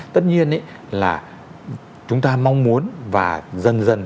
tất nhiên là chúng ta mong muốn và dần dần